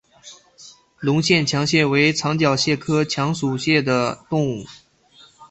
隆线强蟹为长脚蟹科强蟹属的动物。